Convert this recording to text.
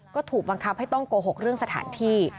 ก็ถูกบังคับให้ต้องโกหกเรื่องสถานที่